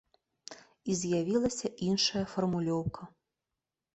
І з'явілася іншая фармулёўка.